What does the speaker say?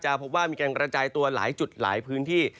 พบว่ามีการกระจายตัวหลายจุดหลายพื้นที่